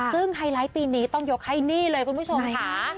ซึ่งไฮไลท์ปีนี้ต้องยกให้นี่เลยคุณผู้ชมค่ะ